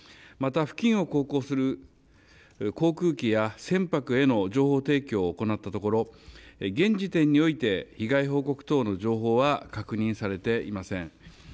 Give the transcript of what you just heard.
また付近を航行する航空機や船舶への情報提供を行ったところ、現時点において被害報告等の情報は確認されていません。